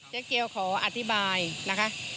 เจ๊เกียวขออธิบายนะคะ